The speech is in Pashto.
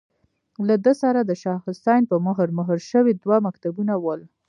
له ده سره د شاه حسين په مهر، مهر شوي دوه مکتوبونه ول.